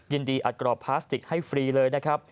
อัดกรอบพลาสติกให้ฟรีเลยนะครับ